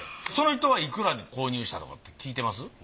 その人はいくらで購入したとかって聞いてます？